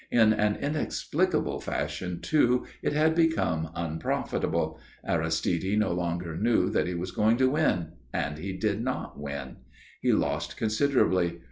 In an inexplicable fashion, too, it had become unprofitable. Aristide no longer knew that he was going to win; and he did not win. He lost considerably.